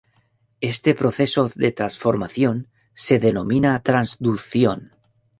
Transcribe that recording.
Este proceso de transformación se denomina "transducción".